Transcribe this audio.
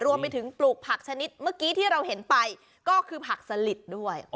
รวมไปถึงปลูกผักชนิดเมื่อกี้ที่เราเห็นไปก็คือผักสลิดด้วย